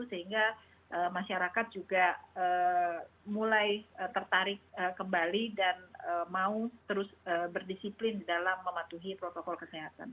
sehingga masyarakat juga mulai tertarik kembali dan mau terus berdisiplin di dalam mematuhi protokol kesehatan